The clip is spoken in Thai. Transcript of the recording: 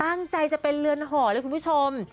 ตั้งใจจะเป็นเรือนห่อเลยคุณผู้ชม